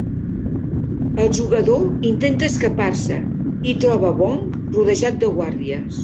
El jugador intenta escapar-se i troba a Wong rodejat de guàrdies.